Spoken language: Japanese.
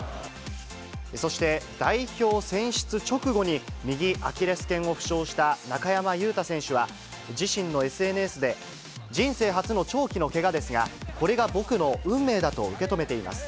そして、代表選出直後に右アキレスけんを負傷した中山雄太選手は、自身のＳＮＳで、人生初の長期のけがですが、これが僕の運命だと受け止めてます。